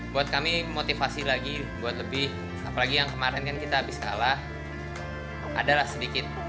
buat kami motivasi lagi buat lebih apalagi yang kemarin kan kita habis kalah adalah sedikit